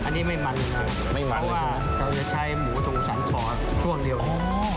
อันนี้ไม่มันนะเพราะว่าเราจะใช้หมูตรงศัลค์คอช่วงเดียวกัน